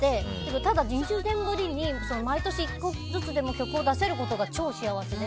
ただ２０年ぶりに毎年１曲ずつでも曲を出せることが超幸せで。